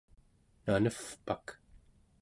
nanevpak